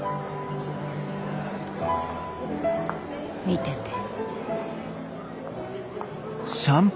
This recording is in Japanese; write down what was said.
見てて。